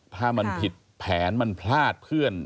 ถ้ามันผิดแผนมันพลาดเพื่อน